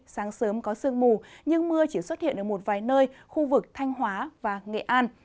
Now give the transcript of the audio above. sáng sớm có sương mù nhưng mưa chỉ xuất hiện ở một vài nơi khu vực thanh hóa và nghệ an